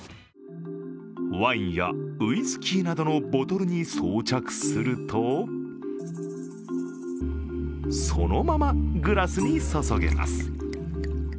ワインやウイスキーなどのボトルに装着するとそのままグラスに注げます。